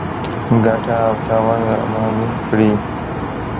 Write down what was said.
ګټه او تاوان رامعلوم کړي.